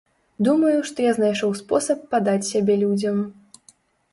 Думаю, што я знайшоў спосаб падаць сябе людзям.